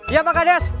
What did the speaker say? iya pak kades